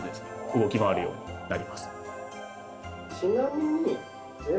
動き回るようになります。